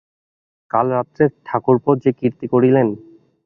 কাল রাত্রে ঠাকুরপো যে কীর্তি করিলেন।